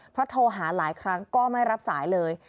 เพราะโทรหาหลายครั้งก็ไม่รับสายเลย